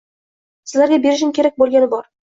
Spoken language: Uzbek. Sizlarga berishim kerak boʻlgani bor.